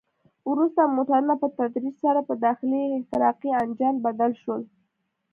وروسته موټرونه په تدریج سره په داخلي احتراقي انجن بدل شول.